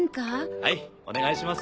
はいお願いします。